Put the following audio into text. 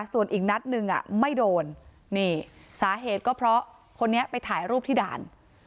ส่วนอีกนัดหนึ่งไม่โดนนี่สาเหตุก็เพราะคนนี้ไปถ่ายรูปที่ด่าน